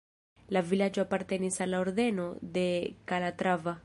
La vilaĝo apartenis al la Ordeno de Kalatrava.